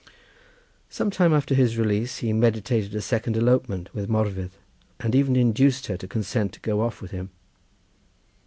Some time after his release he meditated a second elopement with Morfudd, and even induced her to consent to go off with him.